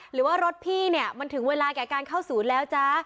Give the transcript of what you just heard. หรือว่ารถพี่เนี่ยมันถึงเวลาแก่การเข้าศูนย์แล้วจ๊ะ